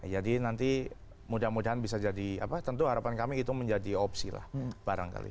jadi nanti mudah mudahan bisa jadi tentu harapan kami itu menjadi opsi lah barangkali